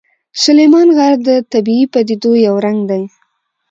سلیمان غر د طبیعي پدیدو یو رنګ دی.